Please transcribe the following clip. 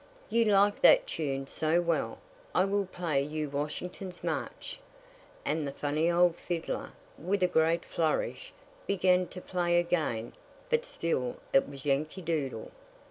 "You like that tune so well, I will play you 'Washington's March;'" and the funny old fiddler, with a great flourish, began to play again; but still it was "Yankee Doodle."